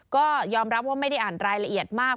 ก็ยอมรับว่าไม่ได้อ่านรายละเอียดมาก